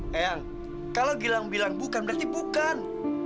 kayaknya kalau bilang bilang bukan berarti bukan